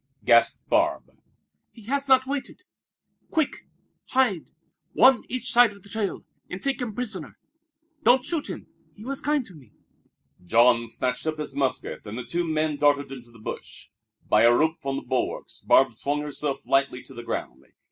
gasped Barbe. "He has not waited. Quick, hide, one each side of the trail, and take him prisoner. Don't shoot him. He was kind to me." Jean snatched up his musket and the two men darted into the bush. By a rope from the bulwarks Barbe swung herself lightly to the ground.